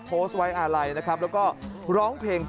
และก็มีการกินยาละลายริ่มเลือดแล้วก็ยาละลายขายมันมาเลยตลอดครับ